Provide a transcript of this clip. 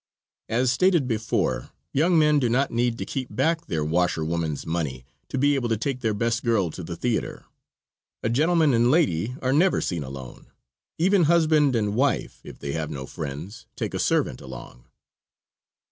As stated before, young men do not need to keep back their washerwoman's money to be able to take their best girl to the theater. A gentlemen and lady are never seen alone; even husband and wife, if they have no friends, take a servant along.